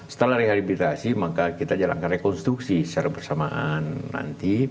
setelah rehabilitasi maka kita jalankan rekonstruksi secara bersamaan nanti